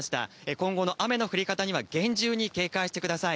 今後の雨の降り方には厳重に警戒してください。